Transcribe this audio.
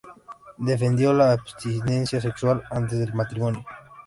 Defendió la abstinencia sexual antes del matrimonio.